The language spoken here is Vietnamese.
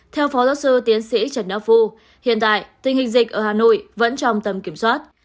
theo phó giáo sư tiến sĩ trần đắc phu hiện tại tình hình dịch ở hà nội vẫn trong tầm kiểm soát